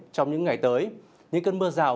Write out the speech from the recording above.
trong những ngày tới những cơn mưa rào